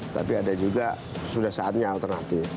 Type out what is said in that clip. tapi ada juga sudah saatnya alternatif